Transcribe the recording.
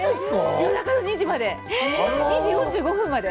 夜中の２時まで、２時４５分まで。